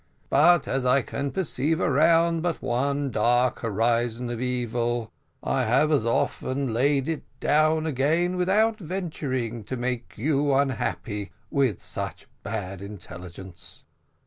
But as I can perceive around but one dark horizon of evil, I have as often laid it down again without venturing to make you unhappy with such bad intelligence.